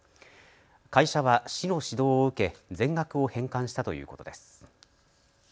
会社は市の指導を受け全額を返還したということです。